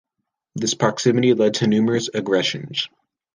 This proximity led to numerous aggressions.